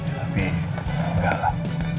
tapi enggak lah